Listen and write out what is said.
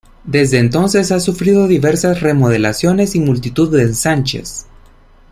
Desde entonces ha sufrido diversas remodelaciones y multitud de ensanches.